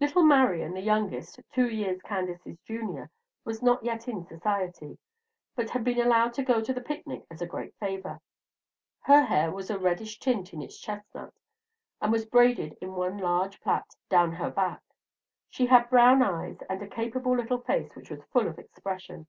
Little Marian, the youngest, two years Candace's junior, was not yet in society, but had been allowed to go to the picnic as a great favor. Her hair had a reddish tint in its chestnut, and was braided in one large plait down her back; she had brown eyes and a capable little face which was full of expression.